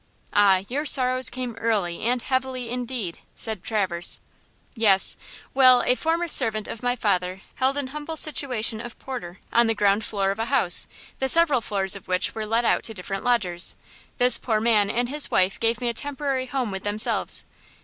"Ah, your sorrows came early and heavily indeed," said Traverse. "Yes; well, a former servant of my father held an humble situation of porter on the ground floor of a house, the several floors of which were let out to different lodgers. This poor man and his wife gave me a temporary home with themselves.